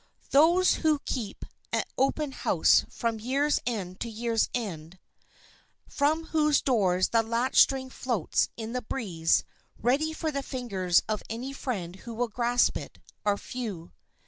Those who keep open house from year's end to year's end, from whose doors the latch string floats in the breeze, ready for the fingers of any friend who will grasp it, are few.